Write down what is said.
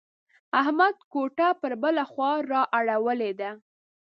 احمد کوټه پر بله خوا را اړولې ده.